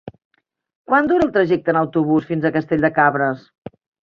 Quant dura el trajecte en autobús fins a Castell de Cabres?